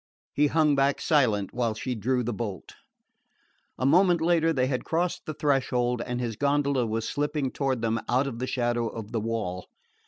He hung back silent while she drew the bolt. A moment later they had crossed the threshold and his gondola was slipping toward them out of the shadow of the wall.